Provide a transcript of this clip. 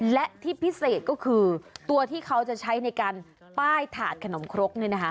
และที่พิเศษก็คือตัวที่เขาจะใช้ในการป้ายถาดขนมครกเนี่ยนะคะ